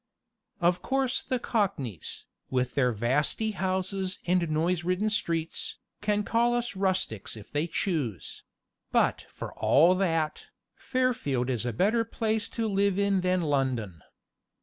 Of course the cockneys, with their vasty houses and noise ridden streets, can call us rustics if they choose; but for all that, Fairfield is a better place to live in than London.